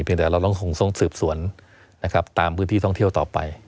เพียงแต่เราก็ต้องสืบสวนตามพื้นที่ท่องเที่ยวต่อไป